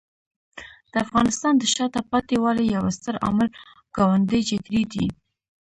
د افغانستان د شاته پاتې والي یو ستر عامل ګاونډي جګړې دي.